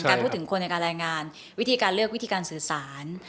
พูดถึงคนในการรายงานวิธีการเลือกวิธีการสื่อสาร